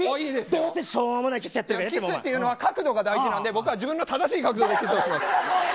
どうせしょうもなキスは角度が大事なんで自分の正しい角度でキスをします。